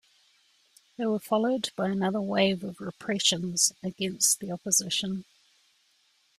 They were followed by another wave of repressions against the opposition.